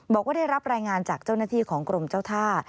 บอกว่าได้รับรายงานจากเจ้าหน้าที่ของกรมเจ้าท่า